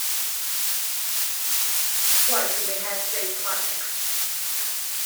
Waeth i mi heb ddeud chwaneg.